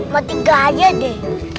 mati ga aja deh